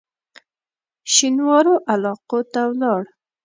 شینوارو علاقو ته ولاړ.